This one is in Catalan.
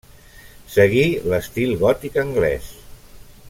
Seguí l'estil gòtic anglès.